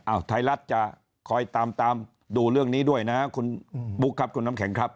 ไทยรัฐจะคอยตามตามดูเรื่องนี้ด้วยนะคุณบุ๊คครับคุณน้ำแข็งครับ